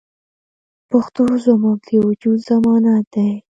پښتو زموږ د وجود ضمانت دی.